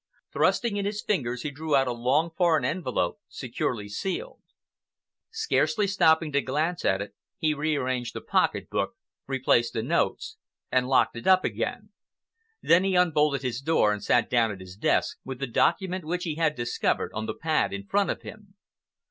Thrusting in his fingers, he drew out a long foreign envelope, securely sealed. Scarcely stopping to glance at it, he rearranged the pocket book, replaced the notes, and locked it up again. Then he unbolted his door and sat down at his desk, with the document which he had discovered, on the pad in front of him.